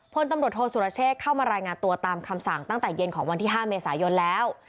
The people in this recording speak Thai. พลตำรวจโทษสุรเชษเข้ามารายงานตัวตามคำสั่งตั้งแต่เย็นของวันที่๕เมษายนแล้ว